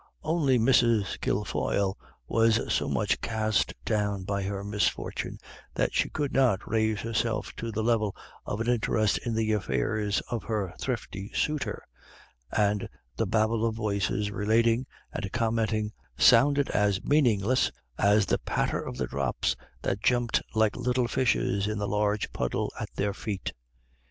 Only Mrs. Kilfoyle was so much cast down by her misfortune that she could not raise herself to the level of an interest in the affairs of her thrifty suitor, and the babble of voices relating and commenting sounded as meaningless as the patter of the drops which jumped like little fishes in the large puddle at their feet.